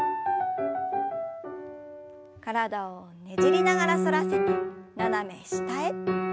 体をねじりながら反らせて斜め下へ。